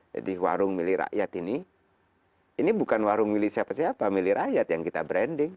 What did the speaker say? jadi warung milirakyat ini ini bukan warung milir siapa siapa milirakyat yang kita branding